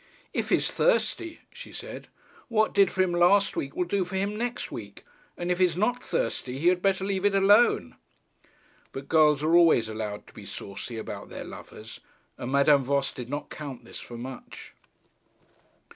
'If he's thirsty,' she said, 'what did for him last week, will do for him next week: and if he's not thirsty, he had better leave it alone.' But girls are always allowed to be saucy about their lovers, and Madame Voss did not count this for much.